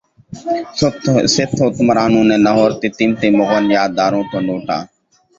سکھ حکمرانوں نے لاہور کی قیمتی مغل یادگاروں کو لوٹا